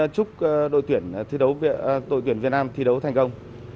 chúc đội tuyển thi đấu đội tuyển việt nam thi đấu thành công